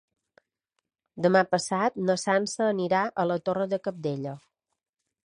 Demà passat na Sança anirà a la Torre de Cabdella.